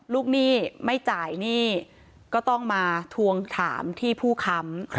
หนี้ไม่จ่ายหนี้ก็ต้องมาทวงถามที่ผู้ค้ำ